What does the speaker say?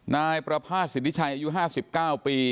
นายประภาษฎิษฐาอายุ๕๙ปี